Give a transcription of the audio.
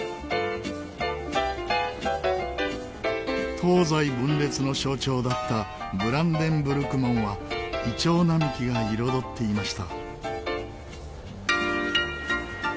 東西分裂の象徴だったブランデンブルク門はイチョウ並木が彩っていました。